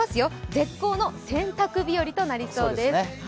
絶好の洗濯日和となりそうです。